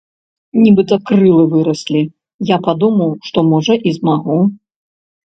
Нібыта крылы выраслі, я падумаў, што можа і змагу!